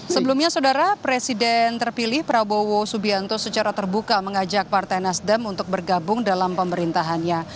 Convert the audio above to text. sebelumnya saudara presiden terpilih prabowo subianto secara terbuka mengajak partai nasdem untuk bergabung dalam pemerintahannya